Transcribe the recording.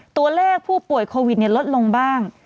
ตัวเลขผู้ป่วยโควิดลดลงบ้าง